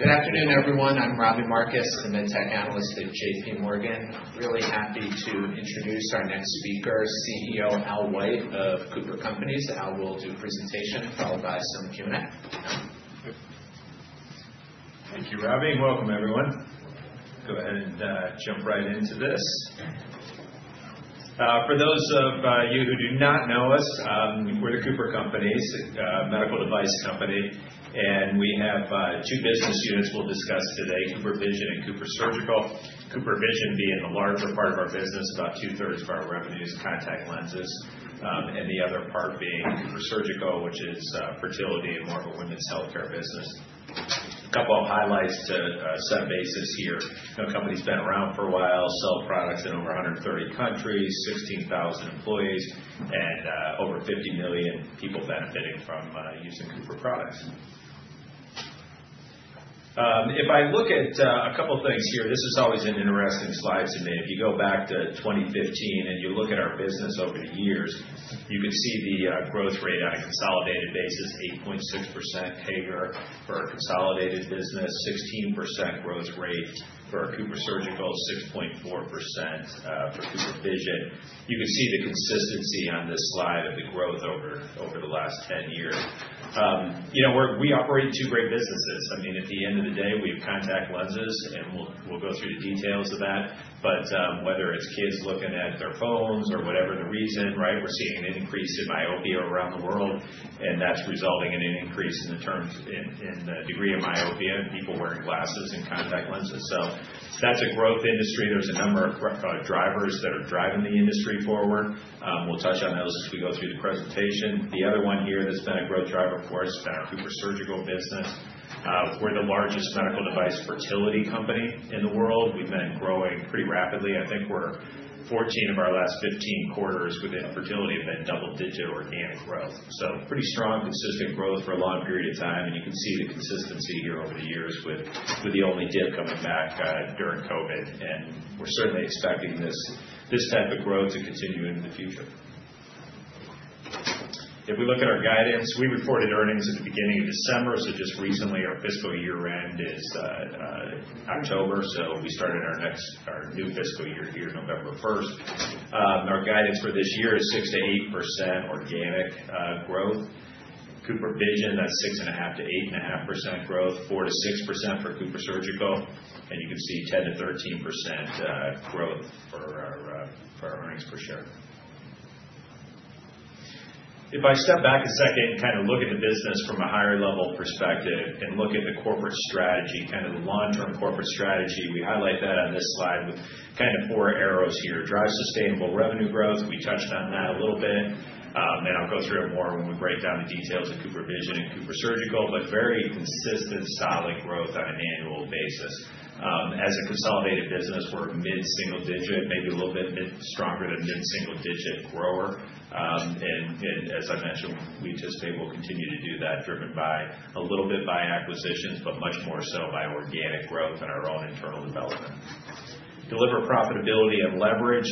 Good afternoon, everyone. I'm Robbie Marcus, the MedTech analyst at JPMorgan. I'm really happy to introduce our next speaker, CEO Al White of CooperCompanies. Al will do a presentation followed by some Q&A. Thank you, Robbie. Welcome, everyone. Go ahead and jump right into this. For those of you who do not know us, we're the CooperCompanies, a medical device company, and we have two business units we'll discuss today: CooperVision and CooperSurgical. CooperVision being the larger part of our business, about two-thirds of our revenue is contact lenses, and the other part being CooperSurgical, which is fertility and more of a women's healthcare business. A couple of highlights to set basis here. The company's been around for a while, sells products in over 130 countries, 16,000 employees, and over 50 million people benefiting from using Cooper products. If I look at a couple of things here, this is always an interesting slide to me. If you go back to 2015 and you look at our business over the years, you can see the growth rate on a consolidated basis: 8.6% per year for our consolidated business, 16% growth rate for CooperSurgical, 6.4% for CooperVision. You can see the consistency on this slide of the growth over the last 10 years. We operate in two great businesses. I mean, at the end of the day, we have contact lenses, and we'll go through the details of that. But whether it's kids looking at their phones or whatever the reason, right, we're seeing an increase in myopia around the world, and that's resulting in an increase in the degree of myopia in people wearing glasses and contact lenses. So that's a growth industry. There's a number of drivers that are driving the industry forward. We'll touch on those as we go through the presentation. The other one here that's been a growth driver for us has been our CooperSurgical business. We're the largest medical device fertility company in the world. We've been growing pretty rapidly. I think we're 14 of our last 15 quarters within fertility have been double-digit organic growth, so pretty strong, consistent growth for a long period of time, and you can see the consistency here over the years with the only dip coming back during COVID, and we're certainly expecting this type of growth to continue into the future. If we look at our guidance, we reported earnings at the beginning of December, so just recently our fiscal year-end is October, so we started our new fiscal year here November 1st. Our guidance for this year is 6% to 8% organic growth. CooperVision, that's 6.5%-8.5% growth, 4%-6% for CooperSurgical, and you can see 10%-13% growth for our earnings per share. If I step back a second and kind of look at the business from a higher-level perspective and look at the corporate strategy, kind of the long-term corporate strategy, we highlight that on this slide with kind of four arrows here: drive sustainable revenue growth. We touched on that a little bit, and I'll go through it more when we break down the details of CooperVision and CooperSurgical, but very consistent, solid growth on an annual basis. As a consolidated business, we're mid-single-digit, maybe a little bit stronger than mid-single-digit grower. As I mentioned, we anticipate we'll continue to do that, driven a little bit by acquisitions, but much more so by organic growth and our own internal development. Deliver profitability and leverage.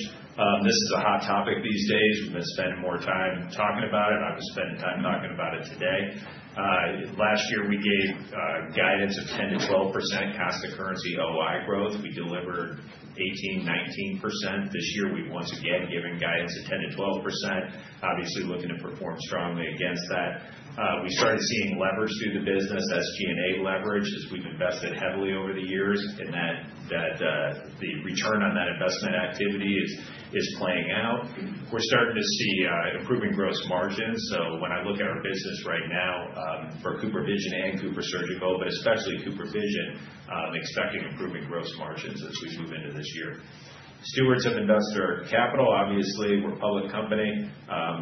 This is a hot topic these days. We've been spending more time talking about it. I've been spending time talking about it today. Last year, we gave guidance of 10%-12% constant currency OI growth. We delivered 18%-19%. This year, we've once again given guidance of 10%-12%, obviously looking to perform strongly against that. We started seeing leverage through the business, SG&A leverage, as we've invested heavily over the years, and that the return on that investment activity is playing out. We're starting to see improving gross margins. So when I look at our business right now for CooperVision and CooperSurgical, but especially CooperVision, I'm expecting improving gross margins as we move into this year. Stewards of Investor Capital, obviously, we're a public company.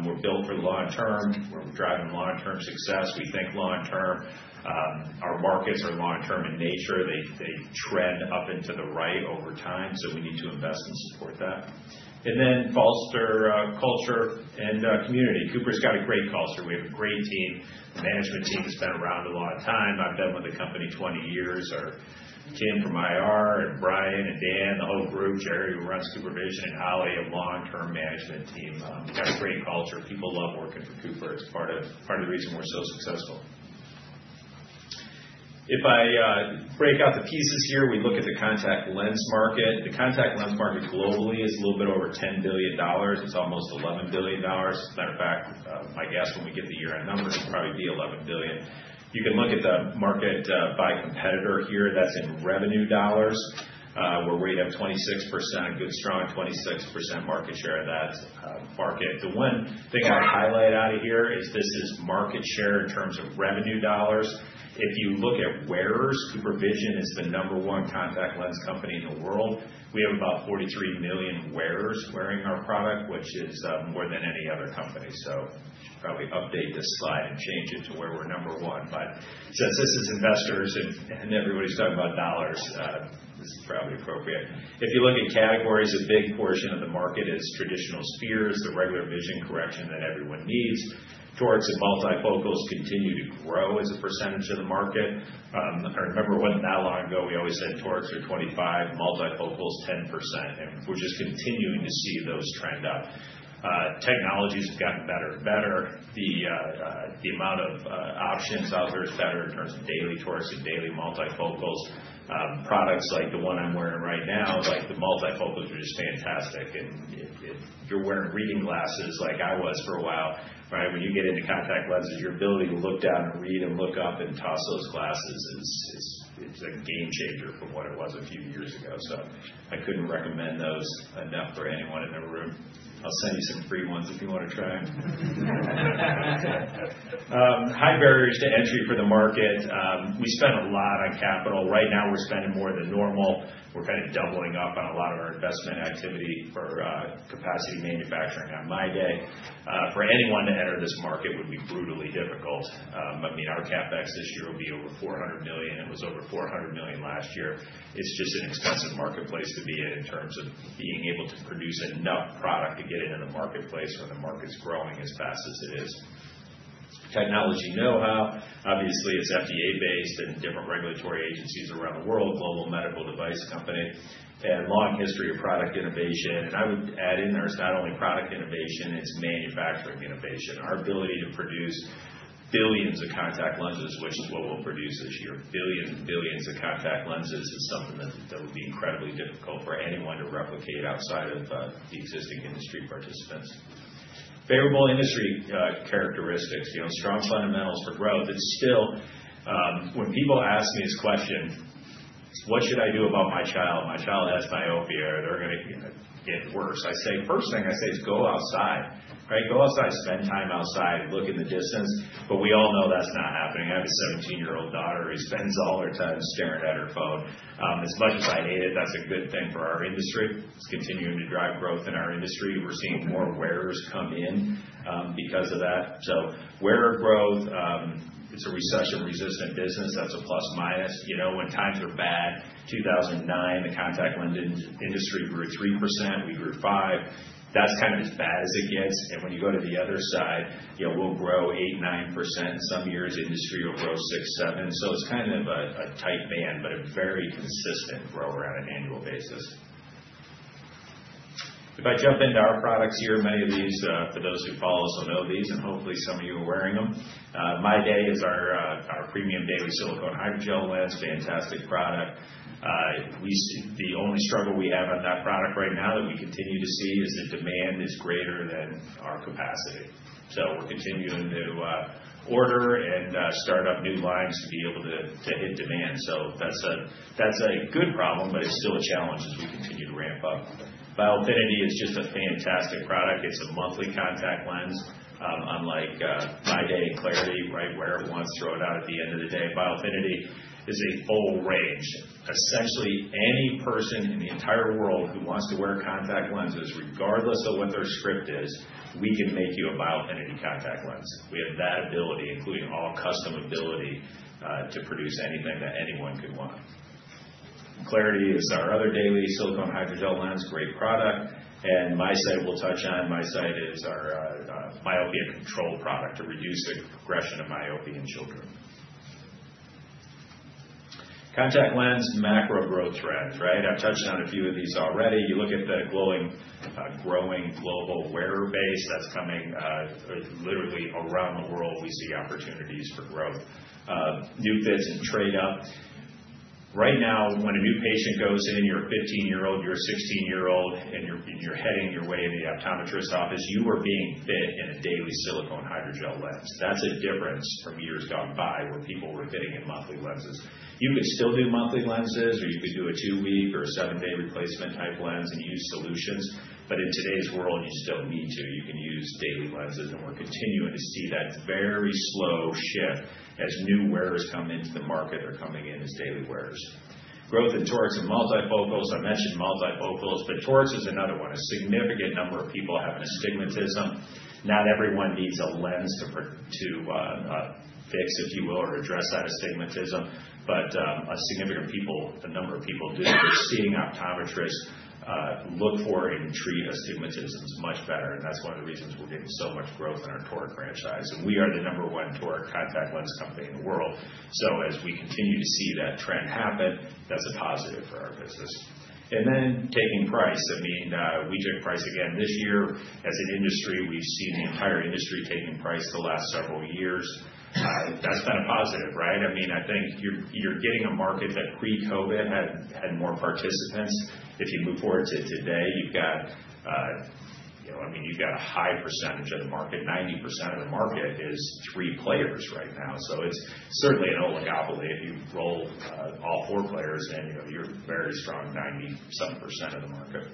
We're built for the long term. We're driving long-term success. We think long term. Our markets are long-term in nature. They trend up and to the right over time, so we need to invest and support that. And then foster culture and community. Cooper's got a great culture. We have a great team. The management team has been around a long time. I've been with the company 20 years. Our Kim from IR and Brian and Dan, the whole group, Jerry who runs CooperVision and Holly, a long-term management team. We've got a great culture. People love working for Cooper. It's part of the reason we're so successful. If I break out the pieces here, we look at the contact lens market. The contact lens market globally is a little bit over $10 billion. It's almost $11 billion. As a matter of fact, my guess when we get the year-end numbers will probably be $11 billion. You can look at the market by competitor here. That's in revenue dollars. We're way up 26%, a good strong 26% market share of that market. The one thing I'd highlight out of here is this is market share in terms of revenue dollars. If you look at wearers, CooperVision is the number one contact lens company in the world. We have about 43 million wearers wearing our product, which is more than any other company. So I should probably update this slide and change it to where we're number one. But since this is investors and everybody's talking about dollars, this is probably appropriate. If you look at categories, a big portion of the market is traditional spheres, the regular vision correction that everyone needs. Toric and multifocals continue to grow as a percentage of the market. I remember when not long ago, we always said toric are 25%, multifocals 10%, and we're just continuing to see those trend up. Technologies have gotten better and better. The amount of options out there is better in terms of daily toric and daily multifocals. Products like the one I'm wearing right now, like the multifocals, are just fantastic. And if you're wearing reading glasses like I was for a while, right, when you get into contact lenses, your ability to look down and read and look up and toss those glasses is a game changer from what it was a few years ago. So I couldn't recommend those enough for anyone in the room. I'll send you some free ones if you want to try them. High barriers to entry for the market. We spend a lot on capital. Right now, we're spending more than normal. We're kind of doubling up on a lot of our investment activity for capacity manufacturing on MyDay. For anyone to enter this market would be brutally difficult. I mean, our CapEx this year will be over $400 million. It was over $400 million last year. It's just an expensive marketplace to be in in terms of being able to produce enough product to get it in the marketplace when the market's growing as fast as it is. Technology know-how. Obviously, it's FDA-based and different regulatory agencies around the world, global medical device company, and a long history of product innovation. And I would add in there it's not only product innovation, it's manufacturing innovation. Our ability to produce billions of contact lenses, which is what we'll produce this year, billions and billions of contact lenses, is something that will be incredibly difficult for anyone to replicate outside of the existing industry participants. Favorable industry characteristics. Strong fundamentals for growth. It's still, when people ask me this question, "What should I do about my child? My child has myopia. They're going to get worse." First thing I say is go outside, right? Go outside, spend time outside, look in the distance. But we all know that's not happening. I have a 17-year-old daughter who spends all her time staring at her phone. As much as I hate it, that's a good thing for our industry. It's continuing to drive growth in our industry. We're seeing more wearers come in because of that. So wearer growth, it's a recession-resistant business. That's a plus-minus. When times are bad, 2009, the contact lens industry grew 3%. We grew 5%. That's kind of as bad as it gets. And when you go to the other side, we'll grow 8-9%. Some years, industry will grow 6-7%. So it's kind of a tight band, but a very consistent growth on an annual basis. If I jump into our products here, many of these, for those who follow us, will know these, and hopefully some of you are wearing them. MyDay is our premium daily silicone hydrogel lens, fantastic product. The only struggle we have on that product right now that we continue to see is that demand is greater than our capacity. So we're continuing to order and start up new lines to be able to hit demand. So that's a good problem, but it's still a challenge as we continue to ramp up. Biofinity is just a fantastic product. It's a monthly contact lens, unlike MyDay and Clariti, right? Wear it once, throw it out at the end of the day. Biofinity is a full range. Essentially, any person in the entire world who wants to wear contact lenses, regardless of what their script is, we can make you a Biofinity contact lens. We have that ability, including all custom ability, to produce anything that anyone could want. Clariti is our other daily silicone hydrogel lens, great product. MiSight, we'll touch on. MiSight is our myopia control product to reduce the progression of myopia in children. Contact lens, macro growth trends, right? I've touched on a few of these already. You look at the growing global wearer base that's coming literally around the world. We see opportunities for growth. New fits and trade-up. Right now, when a new patient goes in, you're a 15-year-old, you're a 16-year-old, and you're heading your way into the optometrist's office, you are being fit in a daily silicone hydrogel lens. That's a difference from years gone by where people were fitting in monthly lenses. You could still do monthly lenses, or you could do a two-week or a seven-day replacement type lens and use solutions. But in today's world, you still need to. You can use daily lenses, and we're continuing to see that very slow shift as new wearers come into the market or coming in as daily wearers. Growth in toric and multifocals. I mentioned multifocals, but toric is another one. A significant number of people have an astigmatism. Not everyone needs a lens to fix, if you will, or address that astigmatism. But a significant number of people do. We're seeing optometrists look for and treat astigmatisms much better. And that's one of the reasons we're getting so much growth in our toric franchise. And we are the number one toric contact lens company in the world. So as we continue to see that trend happen, that's a positive for our business. And then taking price. I mean, we took price again this year. As an industry, we've seen the entire industry taking price the last several years. That's been a positive, right? I mean, I think you're getting a market that pre-COVID had more participants. If you move forward to today, you've got—I mean, you've got a high percentage of the market. 90% of the market is three players right now. So it's certainly an oligopoly if you roll all four players in. You're very strong, 90-something% of the market.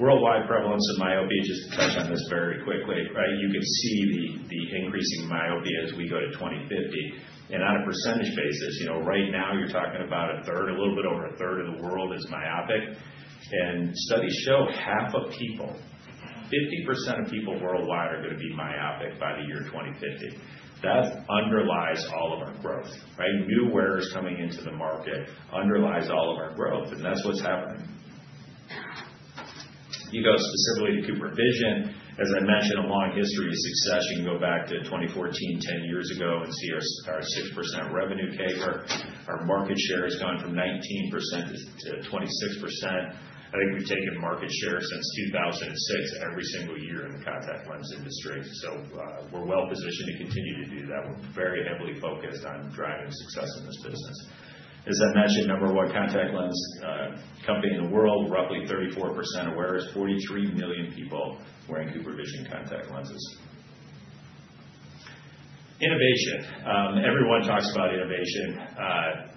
Worldwide prevalence of myopia, just to touch on this very quickly, right? You can see the increasing myopia as we go to 2050. On a percentage basis, right now, you're talking about a third, a little bit over a third of the world is myopic. Studies show half of people, 50% of people worldwide, are going to be myopic by the year 2050. That underlies all of our growth, right? New wearers coming into the market underlies all of our growth, and that's what's happening. If you go specifically to CooperVision, as I mentioned, a long history of success. You can go back to 2014, 10 years ago, and see our 6% revenue CAGR. Our market share has gone from 19%-26%. I think we've taken market share since 2006 every single year in the contact lens industry. We're well positioned to continue to do that. We're very heavily focused on driving success in this business. As I mentioned, number one contact lens company in the world, roughly 34% of wearers, 43 million people wearing CooperVision contact lenses. Innovation. Everyone talks about innovation.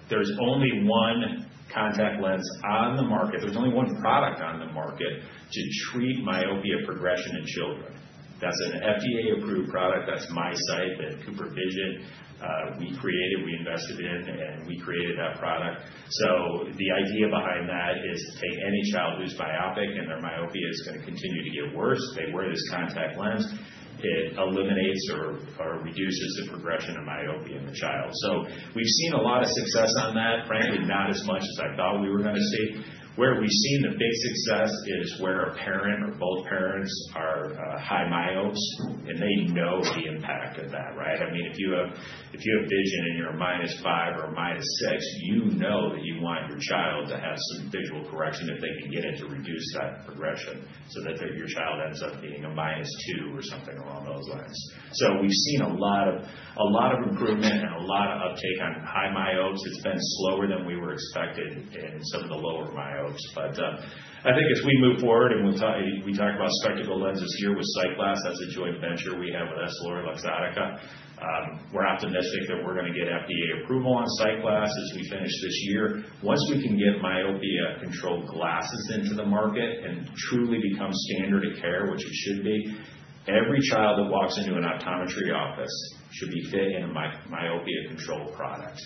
There's only one contact lens on the market. There's only one product on the market to treat myopia progression in children. That's an FDA-approved product. That's MiSight that CooperVision, we created, we invested in, and we created that product. So the idea behind that is to take any child who's myopic and their myopia is going to continue to get worse, they wear this contact lens, it eliminates or reduces the progression of myopia in the child. So we've seen a lot of success on that. Frankly, not as much as I thought we were going to see. Where we've seen the big success is where a parent or both parents are high myopes, and they know the impact of that, right? I mean, if you have vision and you're a minus 5 or a minus 6, you know that you want your child to have some visual correction if they can get it to reduce that progression so that your child ends up being a minus 2 or something along those lines. So we've seen a lot of improvement and a lot of uptake on high myopes. It's been slower than we were expected in some of the lower myopes. But I think as we move forward, and we talk about spectacle lenses here with SightGlass, that's a joint venture we have with EssilorLuxottica. We're optimistic that we're going to get FDA approval on SightGlass as we finish this year. Once we can get myopia-controlled glasses into the market and truly become standard of care, which it should be, every child that walks into an optometry office should be fit in a myopia-controlled product.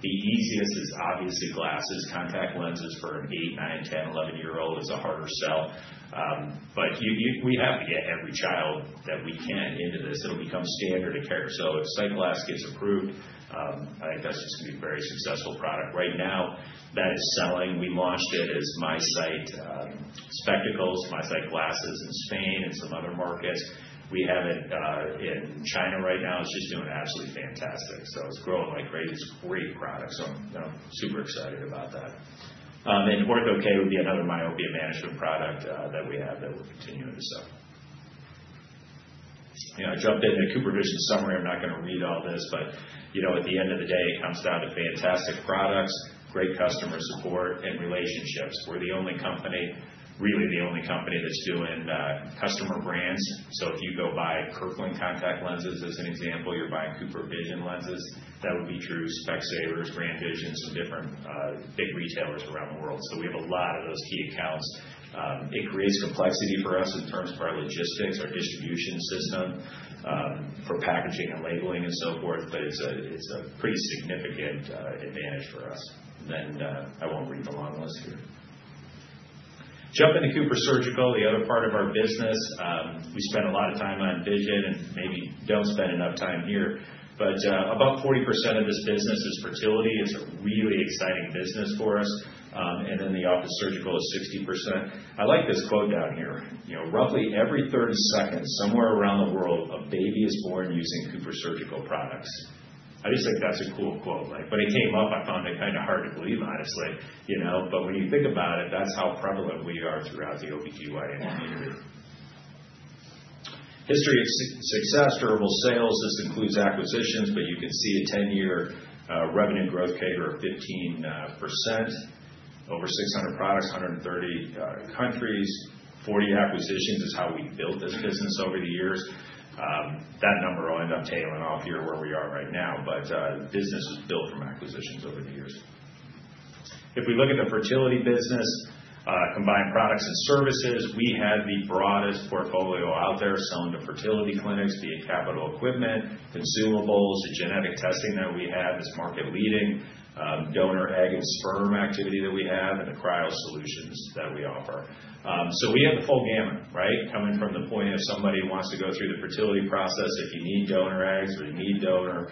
The easiest is obviously glasses. Contact lenses for an eight, nine, 10, 11-year-old is a harder sell. But we have to get every child that we can into this. It will become standard of care. If SightGlass gets approved, I think that's just going to be a very successful product. Right now, that is selling. We launched it as MiSight spectacles, MiSight glasses in Spain and some other markets. We have it in China right now. It's just doing absolutely fantastic. It's growing like crazy. It's a great product. I'm super excited about that. Ortho-K would be another myopia management product that we have that we're continuing to sell. I jumped into CooperVision summary. I'm not going to read all this, but at the end of the day, it comes down to fantastic products, great customer support, and relationships. We're the only company, really the only company that's doing customer brands. So if you go buy Kirkland contact lenses as an example, you're buying CooperVision lenses. That would be true Specsavers, GrandVision, some different big retailers around the world. So we have a lot of those key accounts. It creates complexity for us in terms of our logistics, our distribution system for packaging and labeling and so forth, but it's a pretty significant advantage for us. And then I won't read the long list here. Jump into CooperSurgical, the other part of our business. We spend a lot of time on vision and maybe don't spend enough time here. But about 40% of this business is fertility. It's a really exciting business for us. And then the office surgical is 60%. I like this quote down here. "Roughly every 30 seconds, somewhere around the world, a baby is born using CooperSurgical products." I just think that's a cool quote. But it came up. I found it kind of hard to believe, honestly. But when you think about it, that's how prevalent we are throughout the OB-GYN community. History of success, durable sales. This includes acquisitions, but you can see a 10-year revenue growth CAGR, 15%, over 600 products, 130 countries, 40 acquisitions is how we built this business over the years. That number will end up tailing off here where we are right now, but business is built from acquisitions over the years. If we look at the fertility business, combined products and services, we have the broadest portfolio out there selling to fertility clinics, be it capital equipment, consumables, the genetic testing that we have that's market-leading, donor egg and sperm activity that we have, and the cryo solutions that we offer. So we have the full gamut, right? Coming from the point if somebody wants to go through the fertility process, if you need donor eggs or you need donor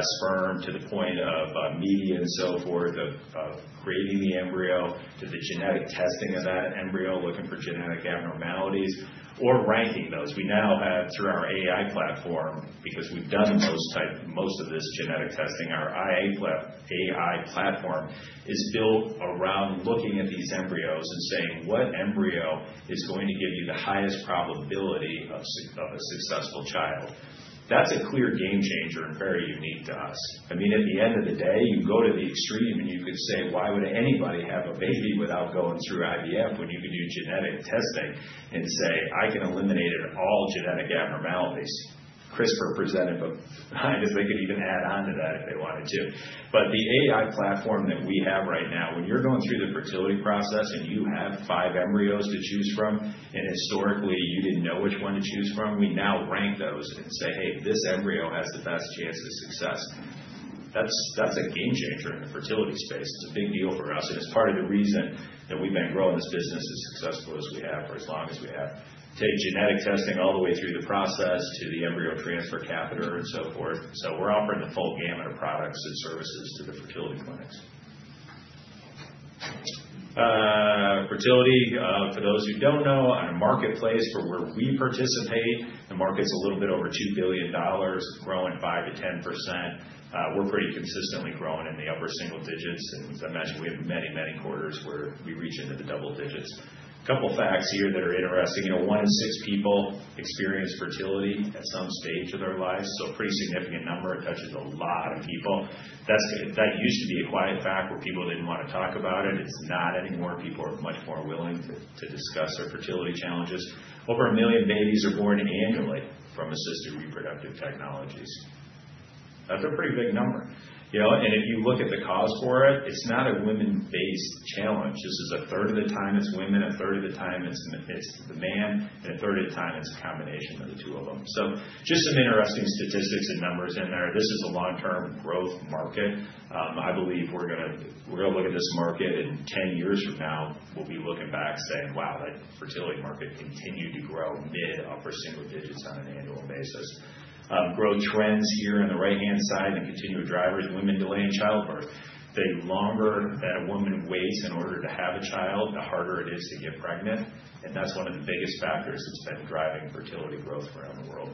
sperm to the point of media and so forth, of creating the embryo to the genetic testing of that embryo, looking for genetic abnormalities, or ranking those. We now have, through our AI platform, because we've done most of this genetic testing, our AI platform is built around looking at these embryos and saying, "What embryo is going to give you the highest probability of a successful child?" That's a clear game changer and very unique to us. I mean, at the end of the day, you go to the extreme and you could say, "Why would anybody have a baby without going through IVF when you can do genetic testing and say, 'I can eliminate all genetic abnormalities'?" CRISPR presented behind us. They could even add on to that if they wanted to. But the AI platform that we have right now, when you're going through the fertility process and you have five embryos to choose from, and historically you didn't know which one to choose from, we now rank those and say, "Hey, this embryo has the best chance of success." That's a game changer in the fertility space. It's a big deal for us. And it's part of the reason that we've been growing this business as successful as we have for as long as we have. Take genetic testing all the way through the process to the embryo transfer catheter and so forth. So we're offering the full gamut of products and services to the fertility clinics. Fertility, for those who don't know, on a marketplace for where we participate, the market's a little bit over $2 billion, growing 5%-10%. We're pretty consistently growing in the upper single digits. And as I mentioned, we have many, many quarters where we reach into the double digits. A couple of facts here that are interesting. One in six people experience fertility at some stage of their life. So a pretty significant number. It touches a lot of people. That used to be a quiet fact where people didn't want to talk about it. It's not anymore. People are much more willing to discuss their fertility challenges. Over a million babies are born annually from assisted reproductive technologies. That's a pretty big number. And if you look at the cause for it, it's not a women-based challenge. This is a third of the time it's women, a third of the time it's the man, and a third of the time it's a combination of the two of them. Just some interesting statistics and numbers in there. This is a long-term growth market. I believe we're going to look at this market in 10 years from now. We'll be looking back saying, "Wow, that fertility market continued to grow mid-upper single digits on an annual basis." Growth trends here on the right-hand side and continual drivers, women delaying childbirth. The longer that a woman waits in order to have a child, the harder it is to get pregnant. And that's one of the biggest factors that's been driving fertility growth around the world.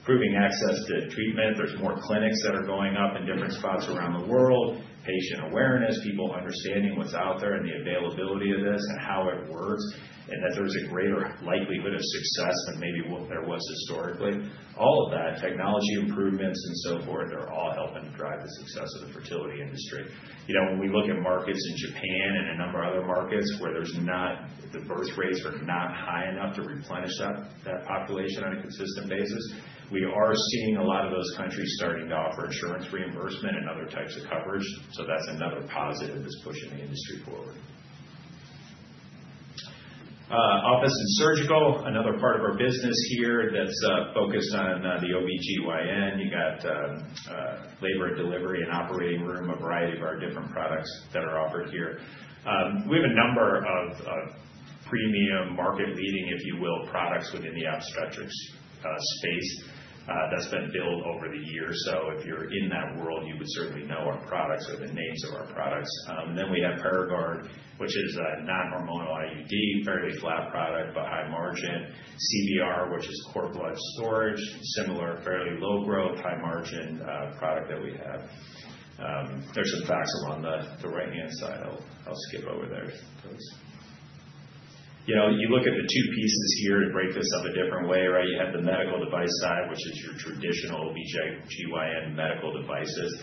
Improving access to treatment. There's more clinics that are going up in different spots around the world. Patient awareness, people understanding what's out there and the availability of this and how it works, and that there's a greater likelihood of success than maybe there was historically. All of that, technology improvements and so forth, are all helping to drive the success of the fertility industry. When we look at markets in Japan and a number of other markets where the birth rates are not high enough to replenish that population on a consistent basis, we are seeing a lot of those countries starting to offer insurance reimbursement and other types of coverage. So that's another positive that's pushing the industry forward. Office and surgical, another part of our business here that's focused on the OB-GYN. You got labor and delivery and operating room, a variety of our different products that are offered here. We have a number of premium market-leading, if you will, products within the obstetrics space that's been built over the years. So if you're in that world, you would certainly know our products or the names of our products. Then we have Paragard, which is a non-hormonal IUD, fairly flat product, but high margin. CBR, which is cord blood storage, similar, fairly low-growth, high-margin product that we have. There's some facts along the right-hand side. I'll skip over there. You look at the two pieces here and break this up a different way, right? You have the medical device side, which is your traditional OB-GYN medical devices.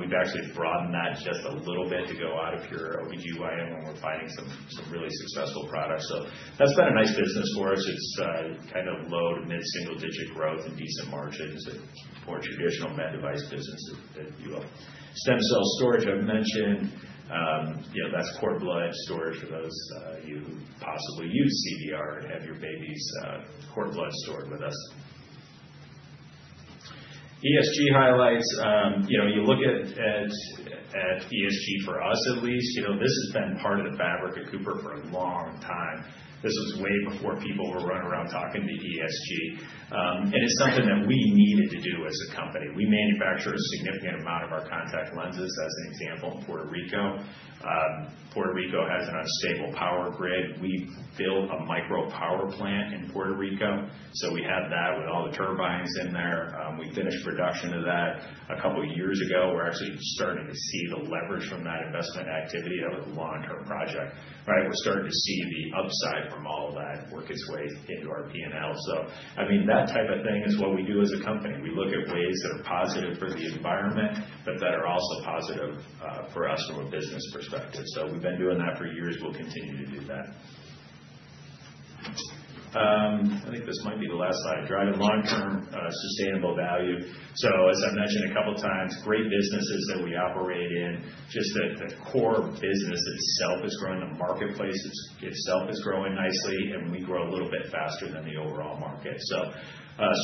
We've actually broadened that just a little bit to go out of your OB-GYN when we're finding some really successful products. So that's been a nice business for us. It's kind of low to mid-single-digit growth and decent margins at more traditional med device businesses that you will. Stem cell storage, I've mentioned. That's cord blood storage for those of you who possibly use CBR and have your baby's cord blood stored with us. ESG highlights. You look at ESG for us, at least. This has been part of the fabric of Cooper for a long time. This was way before people were running around talking to ESG, and it's something that we needed to do as a company. We manufacture a significant amount of our contact lenses, as an example, in Puerto Rico. Puerto Rico has an unstable power grid. We built a micro power plant in Puerto Rico. So we have that with all the turbines in there. We finished production of that a couple of years ago. We're actually starting to see the leverage from that investment activity. That was a long-term project, right? We're starting to see the upside from all of that work its way into our P&L. So I mean, that type of thing is what we do as a company. We look at ways that are positive for the environment, but that are also positive for us from a business perspective. So we've been doing that for years. We'll continue to do that. I think this might be the last slide. Driving long-term sustainable value. So as I mentioned a couple of times, great businesses that we operate in, just the core business itself is growing. The marketplace itself is growing nicely, and we grow a little bit faster than the overall market. So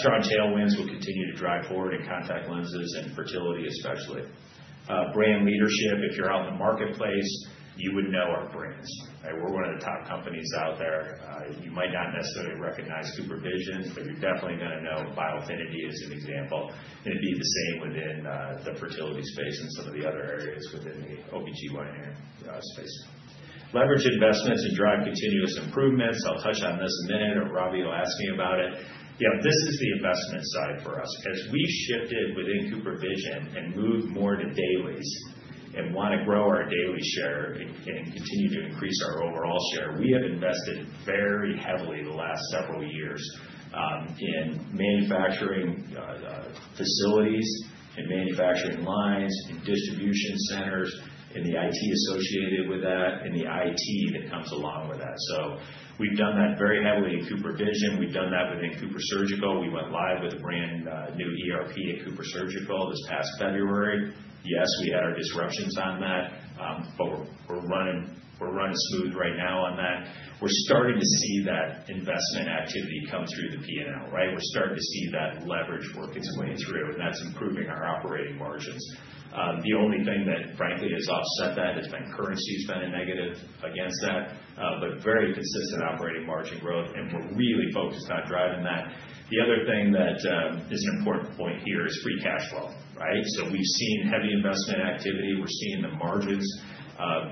strong tailwinds will continue to drive forward in contact lenses and fertility, especially. Brand leadership. If you're out in the marketplace, you would know our brands. We're one of the top companies out there. You might not necessarily recognize CooperVision, but you're definitely going to know Biofinity as an example. And it'd be the same within the fertility space and some of the other areas within the OB-GYN space. Leverage investments and drive continuous improvements. I'll touch on this in a minute. Robbie will ask me about it. This is the investment side for us. As we've shifted within CooperVision and moved more to dailies and want to grow our daily share and continue to increase our overall share, we have invested very heavily the last several years in manufacturing facilities, in manufacturing lines, in distribution centers, in the IT associated with that, in the IT that comes along with that. So we've done that very heavily in CooperVision. We've done that within CooperSurgical. We went live with a brand new ERP at CooperSurgical this past February. Yes, we had our disruptions on that, but we're running smooth right now on that. We're starting to see that investment activity come through the P&L, right? We're starting to see that leverage work its way through, and that's improving our operating margins. The only thing that, frankly, has offset that has been currency, a negative against that, but very consistent operating margin growth, and we're really focused on driving that. The other thing that is an important point here is free cash flow, right? So we've seen heavy investment activity. We're seeing the margins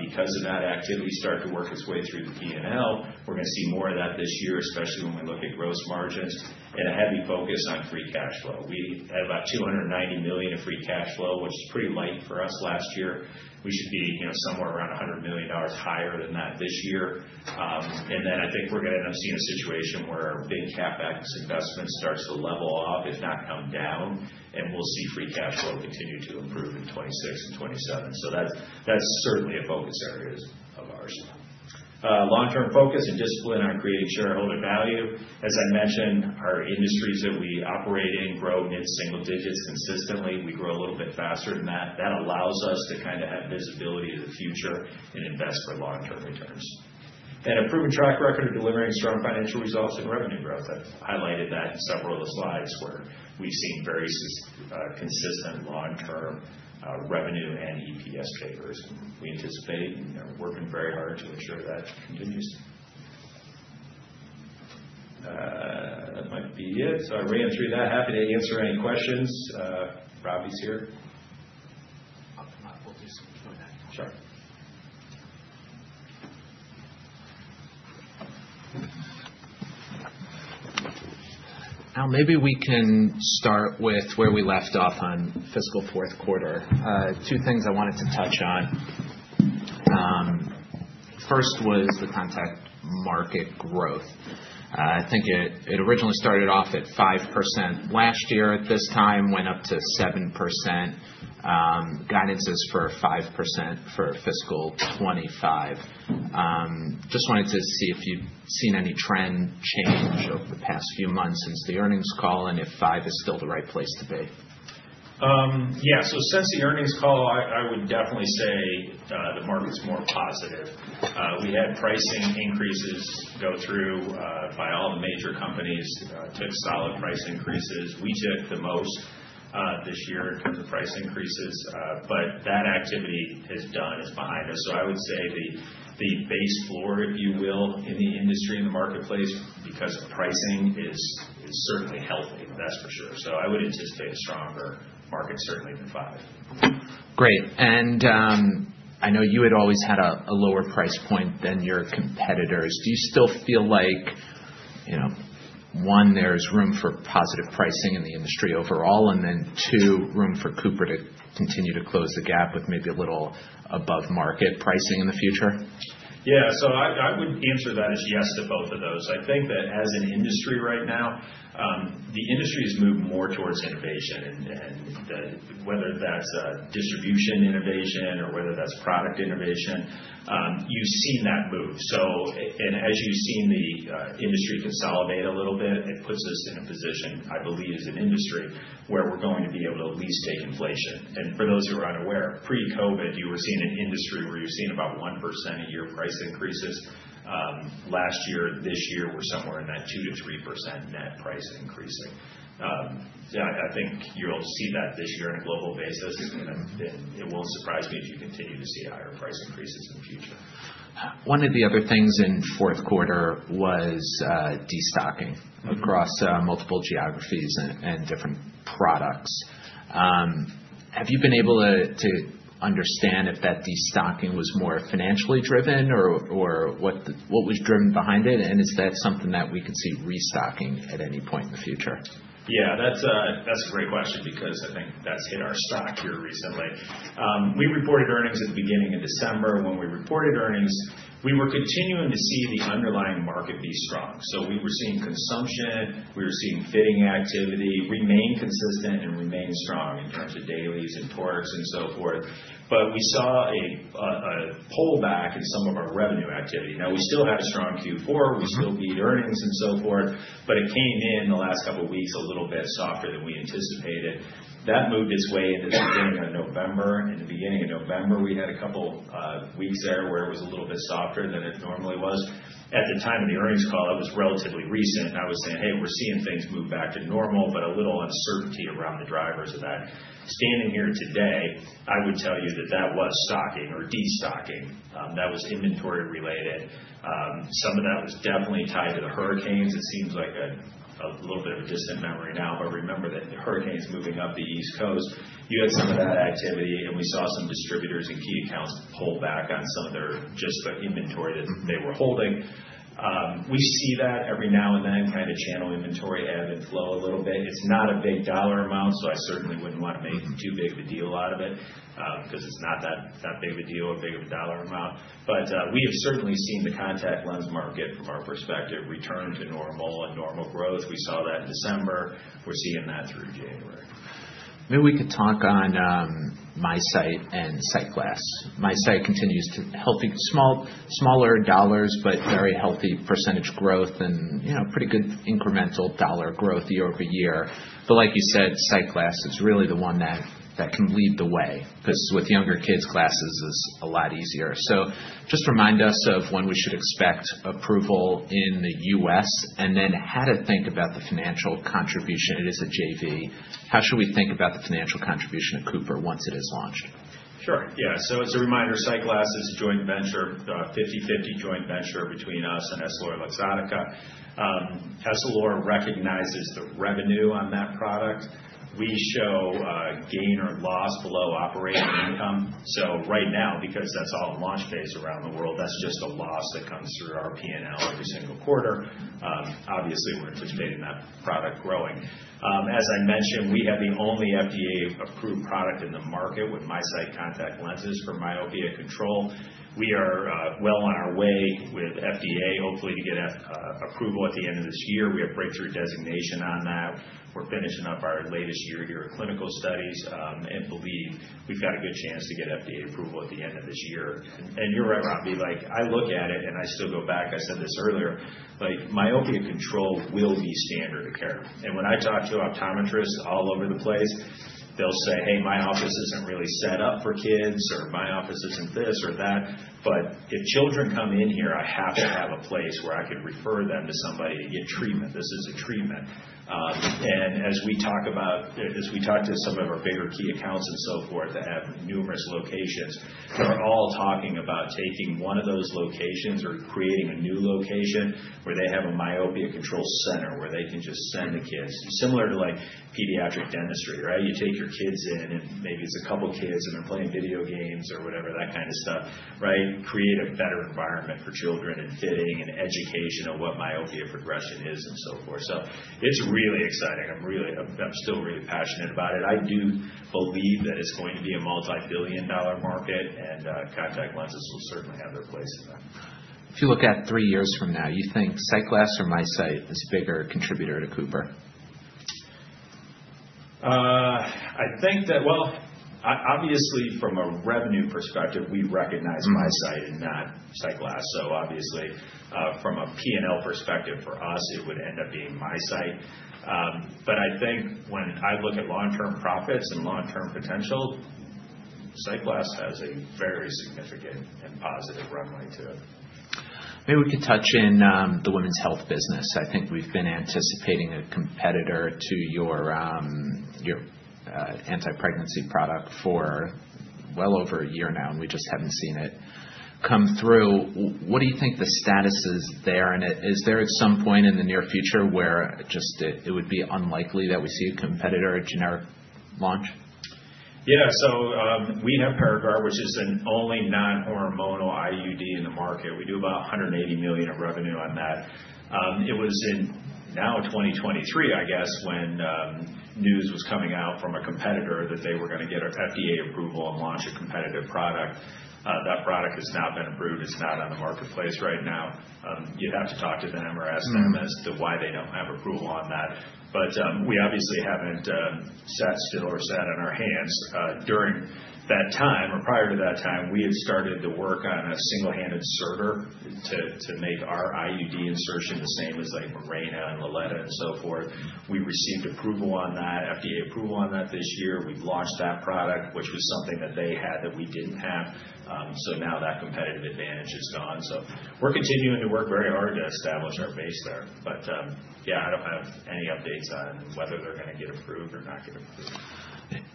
because of that activity start to work its way through the P&L. We're going to see more of that this year, especially when we look at gross margins and a heavy focus on free cash flow. We had about $290 million in free cash flow, which is pretty light for us last year. We should be somewhere around $100 million higher than that this year. And then I think we're going to end up seeing a situation where our big CapEx investment starts to level off, if not come down, and we'll see free cash flow continue to improve in 2026 and 2027. So that's certainly a focus area of ours. Long-term focus and discipline on creating shareholder value. As I mentioned, our industries that we operate in grow mid-single digits consistently. We grow a little bit faster than that. That allows us to kind of have visibility to the future and invest for long-term returns. And a proven track record of delivering strong financial results and revenue growth. I've highlighted that in several of the slides where we've seen very consistent long-term revenue and EPS growth. We anticipate and are working very hard to ensure that continues. That might be it. So I ran through that. Happy to answer any questions. Robbie's here. I'll do some Q&A. Sure. Now, maybe we can start with where we left off on fiscal fourth quarter. Two things I wanted to touch on. First was the contact market growth. I think it originally started off at 5% last year. At this time, went up to 7%. Guidance is for 5% for fiscal 2025. Just wanted to see if you've seen any trend change over the past few months since the earnings call and if 5 is still the right place to be. Yeah. So since the earnings call, I would definitely say the market's more positive. We had pricing increases go through by all the major companies. Took solid price increases. We took the most this year in terms of price increases, but that activity has done is behind us. So I would say the base floor, if you will, in the industry and the marketplace because pricing is certainly healthy, that's for sure. So I would anticipate a stronger market certainly than 5. Great. And I know you had always had a lower price point than your competitors. Do you still feel like, one, there's room for positive pricing in the industry overall, and then, two, room for Cooper to continue to close the gap with maybe a little above-market pricing in the future? Yeah. So I would answer that as yes to both of those. I think that as an industry right now, the industry has moved more towards innovation. And whether that's distribution innovation or whether that's product innovation, you've seen that move. And as you've seen the industry consolidate a little bit, it puts us in a position, I believe, as an industry where we're going to be able to at least take inflation. And for those who are unaware, pre-COVID, you were seeing an industry where you're seeing about 1% a year price increases. Last year, this year, we're somewhere in that 2%-3% net price increasing. I think you'll see that this year on a global basis, and it won't surprise me if you continue to see higher price increases in the future. One of the other things in fourth quarter was destocking across multiple geographies and different products. Have you been able to understand if that destocking was more financially driven or what was driven behind it? And is that something that we could see restocking at any point in the future? Yeah. That's a great question because I think that's hit our stock here recently. We reported earnings at the beginning of December. When we reported earnings, we were continuing to see the underlying market be strong. So we were seeing consumption. We were seeing fitting activity remain consistent and remain strong in terms of dailies and torics and so forth. But we saw a pullback in some of our revenue activity. Now, we still had a strong Q4. We still beat earnings and so forth, but it came in the last couple of weeks a little bit softer than we anticipated. That moved its way into the beginning of November. In the beginning of November, we had a couple of weeks there where it was a little bit softer than it normally was. At the time of the earnings call, it was relatively recent. I was saying, "Hey, we're seeing things move back to normal," but a little uncertainty around the drivers of that. Standing here today, I would tell you that that was stocking or destocking. That was inventory related. Some of that was definitely tied to the hurricanes. It seems like a little bit of a distant memory now, but remember that hurricanes moving up the East Coast, you had some of that activity, and we saw some distributors and key accounts pull back on some of their just the inventory that they were holding. We see that every now and then kind of channel inventory ebb and flow a little bit. It's not a big dollar amount, so I certainly wouldn't want to make too big of a deal out of it because it's not that big of a deal or big of a dollar amount. But we have certainly seen the contact lens market, from our perspective, return to normal and normal growth. We saw that in December. We're seeing that through January. Maybe we could talk on MiSight and SightGlass. MiSight continues to healthy smaller dollars, but very healthy percentage growth and pretty good incremental dollar growth year-over-year. But like you said, SightGlass is really the one that can lead the way because with younger kids, glasses is a lot easier. So just remind us of when we should expect approval in the U.S. and then how to think about the financial contribution. It is a JV. How should we think about the financial contribution of Cooper once it is launched? Sure. Yeah. So as a reminder, SightGlass is a joint venture, 50/50 joint venture between us and EssilorLuxottica. Essilor recognizes the revenue on that product. We show gain or loss below operating income. So right now, because that's all in launch phase around the world, that's just a loss that comes through our P&L every single quarter. Obviously, we're anticipating that product growing. As I mentioned, we have the only FDA-approved product in the market with MiSight contact lenses for myopia control. We are well on our way with FDA, hopefully to get approval at the end of this year. We have breakthrough designation on that. We're finishing up our latest year here at clinical studies and believe we've got a good chance to get FDA approval at the end of this year. And you're right, Robbie. I look at it, and I still go back. I said this earlier. Myopia control will be standard of care. And when I talk to optometrists all over the place, they'll say, "Hey, my office isn't really set up for kids," or, "My office isn't this or that." But if children come in here, I have to have a place where I could refer them to somebody to get treatment. This is a treatment. And as we talk to some of our bigger key accounts and so forth that have numerous locations, they're all talking about taking one of those locations or creating a new location where they have a myopia control center where they can just send the kids. Similar to pediatric dentistry, right? You take your kids in, and maybe it's a couple of kids, and they're playing video games or whatever, that kind of stuff, right? Create a better environment for children and fitting and education of what myopia progression is and so forth. So it's really exciting. I'm still really passionate about it. I do believe that it's going to be a multi-billion-dollar market, and contact lenses will certainly have their place in that. If you look at three years from now, you think SightGlass or MiSight is a bigger contributor to Cooper? I think that, well, obviously, from a revenue perspective, we recognize MiSight and not SightGlass. So obviously, from a P&L perspective, for us, it would end up being MiSight. But I think when I look at long-term profits and long-term potential, SightGlass has a very significant and positive runway to it. Maybe we could touch on the women's health business. I think we've been anticipating a competitor to your anti-pregnancy product for well over a year now, and we just haven't seen it come through. What do you think the status is there? And is there at some point in the near future where just it would be unlikely that we see a competitor, a generic launch? Yeah, so we have Paragard, which is the only non-hormonal IUD in the market. We do about $180 million of revenue on that. It was in now 2023, I guess, when news was coming out from a competitor that they were going to get FDA approval and launch a competitive product. That product has not been approved. It's not on the marketplace right now. You'd have to talk to them or ask them as to why they don't have approval on that. But we obviously haven't sat still or sat on our hands. During that time or prior to that time, we had started to work on a single-handed inserter to make our IUD insertion the same as like Mirena and Liletta and so forth. We received approval on that, FDA approval on that this year. We've launched that product, which was something that they had that we didn't have. So now that competitive advantage is gone. So we're continuing to work very hard to establish our base there. But yeah, I don't have any updates on whether they're going to get approved or not get approved.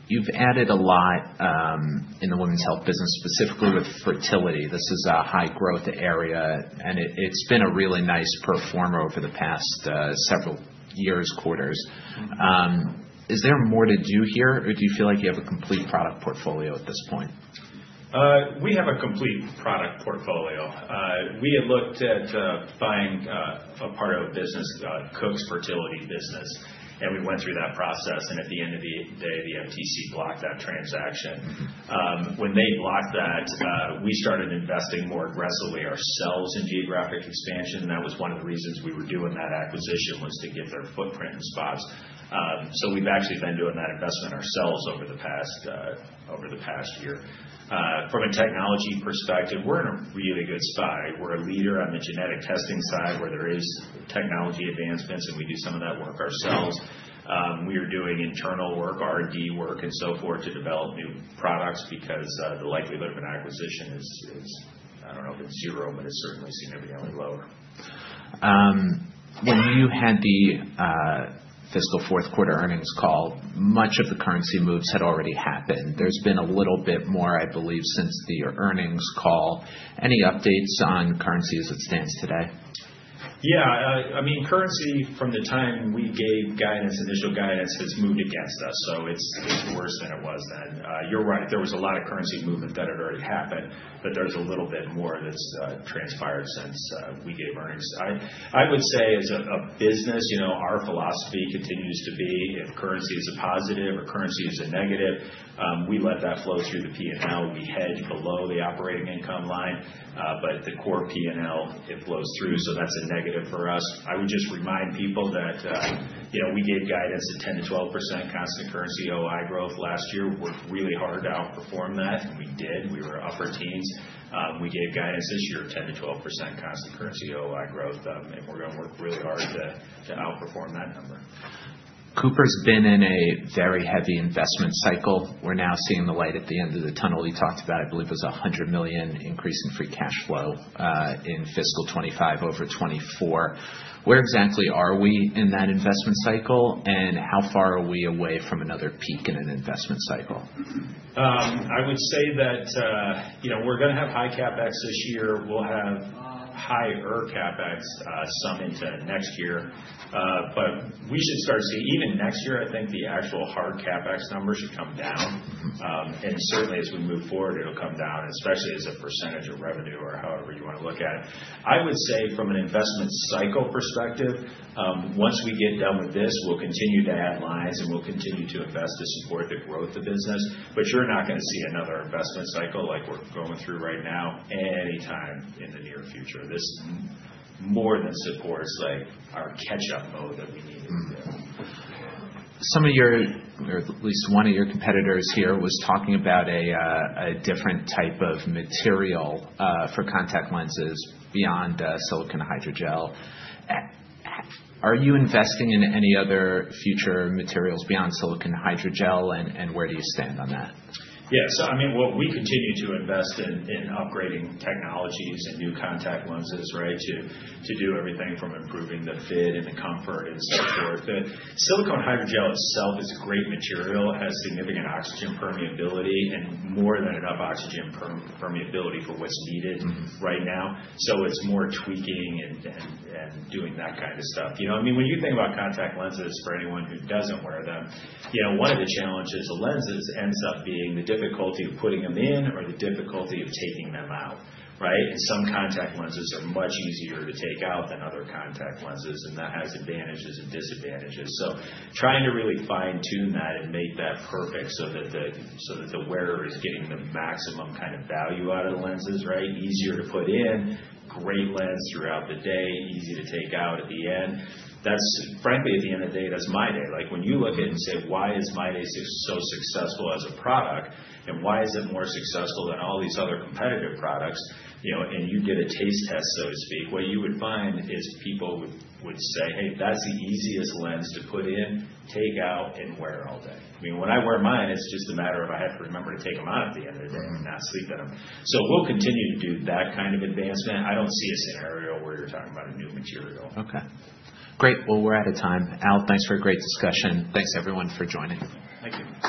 You've added a lot in the women's health business, specifically with fertility. This is a high-growth area, and it's been a really nice performer over the past several years, quarters. Is there more to do here, or do you feel like you have a complete product portfolio at this point? We have a complete product portfolio. We had looked at buying a part of a business, Cook Medical's fertility business, and we went through that process, and at the end of the day, the FTC blocked that transaction. When they blocked that, we started investing more aggressively ourselves in geographic expansion, and that was one of the reasons we were doing that acquisition, was to get their footprint in spots, so we've actually been doing that investment ourselves over the past year. From a technology perspective, we're in a really good spot. We're a leader on the genetic testing side where there are technology advancements, and we do some of that work ourselves. We are doing internal work, R&D work, and so forth to develop new products because the likelihood of an acquisition is, I don't know if it's zero, but it's certainly significantly lower. When you had the fiscal fourth quarter earnings call, much of the currency moves had already happened. There's been a little bit more, I believe, since the earnings call. Any updates on currency as it stands today? Yeah. I mean, currency from the time we gave guidance, initial guidance, has moved against us. So it's worse than it was then. You're right. There was a lot of currency movement that had already happened, but there's a little bit more that's transpired since we gave earnings. I would say as a business, our philosophy continues to be if currency is a positive or currency is a negative, we let that flow through the P&L. We hedge below the operating income line, but the core P&L, it flows through. So that's a negative for us. I would just remind people that we gave guidance at 10%-12% constant currency OI growth last year. We worked really hard to outperform that, and we did. We were upper teens. We gave guidance this year at 10%-12% constant currency OI growth, and we're going to work really hard to outperform that number. Cooper's been in a very heavy investment cycle. We're now seeing the light at the end of the tunnel. You talked about, I believe, it was a $100 million increase in free cash flow in fiscal 2025 over 2024. Where exactly are we in that investment cycle, and how far are we away from another peak in an investment cycle? I would say that we're going to have high CapEx this year. We'll have higher CapEx sometime into next year. But we should start to see even next year, I think the actual hard CapEx numbers should come down. And certainly, as we move forward, it'll come down, especially as a percentage of revenue or however you want to look at it. I would say from an investment cycle perspective, once we get done with this, we'll continue to add lines, and we'll continue to invest to support the growth of the business. But you're not going to see another investment cycle like we're going through right now anytime in the near future. This more than supports our catch-up mode that we needed to do. Some of your, or at least one of your competitors here was talking about a different type of material for contact lenses beyond silicone hydrogel. Are you investing in any other future materials beyond silicone hydrogel, and where do you stand on that? Yeah. So I mean, well, we continue to invest in upgrading technologies and new contact lenses, right, to do everything from improving the fit and the comfort and so forth. Silicone hydrogel itself is a great material, has significant oxygen permeability and more than enough oxygen permeability for what's needed right now. So it's more tweaking and doing that kind of stuff. I mean, when you think about contact lenses for anyone who doesn't wear them, one of the challenges of lenses ends up being the difficulty of putting them in or the difficulty of taking them out, right? And some contact lenses are much easier to take out than other contact lenses, and that has advantages and disadvantages. So trying to really fine-tune that and make that perfect so that the wearer is getting the maximum kind of value out of the lenses, right? Easier to put in, great lens throughout the day, easy to take out at the end. Frankly, at the end of the day, that's MyDay. When you look at it and say, "Why is MyDay so successful as a product, and why is it more successful than all these other competitive products?", and you did a taste test, so to speak. What you would find is people would say, "Hey, that's the easiest lens to put in, take out, and wear all day." I mean, when I wear mine, it's just a matter of I have to remember to take them out at the end of the day and not sleep in them, so we'll continue to do that kind of advancement. I don't see a scenario where you're talking about a new material. Okay. Great. Well, we're out of time. Al, thanks for a great discussion. Thanks, everyone, for joining. Thank you.